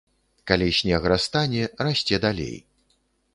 Калі снег растане, расце далей.